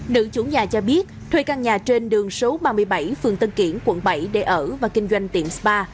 nữ chủ nhà cho biết thuê căn nhà trên đường số ba mươi bảy phường tân kiển quận bảy để ở và kinh doanh tiệm spa